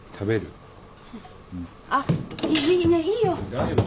大丈夫。